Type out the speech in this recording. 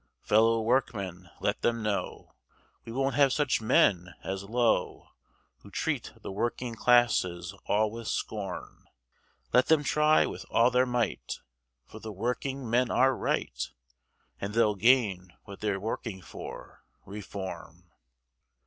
Fellow workmen, let them know, We won't have such men as Lowe, Who treat the working classes all with scorn Let them try with all their might, For the working men are right, And they'll gain what they're working for, Reform.